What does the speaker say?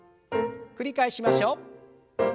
繰り返しましょう。